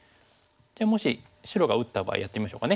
もし白が打った場合やってみましょうかね。